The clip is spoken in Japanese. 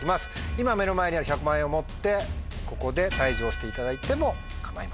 今目の前にある１００万円を持ってここで退場していただいても構いません。